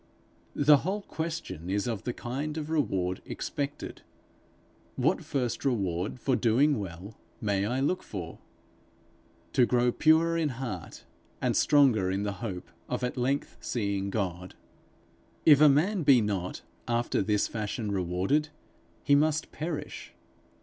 The whole question is of the kind of reward expected. What first reward for doing well, may I look for? To grow purer in heart, and stronger in the hope of at length seeing God. If a man be not after this fashion rewarded, he must perish.